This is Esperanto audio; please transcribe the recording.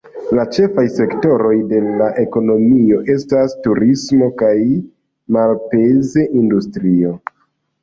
La ĉefaj sektoroj de la ekonomio estas turismo kaj malpeza industrio.